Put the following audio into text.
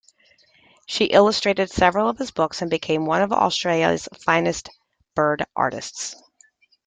She illustrated several of his books and became one of Australia's finest bird artists.